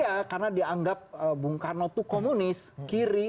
iya karena dianggap bung karno itu komunis kiri